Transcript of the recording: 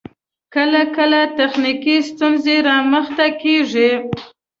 کله کله تخنیکی ستونزې رامخته کیږی